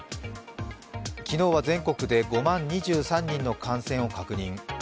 昨日は全国で５万２３人の感染を確認